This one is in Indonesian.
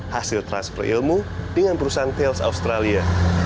hasil transfer ilmu dengan perusahaan tales australia